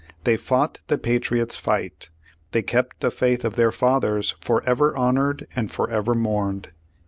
THEY FOtlGHT THE PATRIOTS' FIGHT. They kept the faith of their fathers, forever honored and forever mourned."